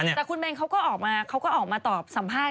แต่คุณเบนเขาก็ออกมาตอบสัมภาษณ์